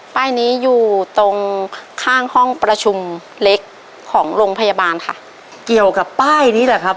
ป้ายนี้อยู่ตรงข้างห้องประชุมเล็กของโรงพยาบาลค่ะเกี่ยวกับป้ายนี้แหละครับ